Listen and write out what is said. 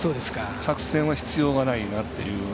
作戦は必要がないなっていう。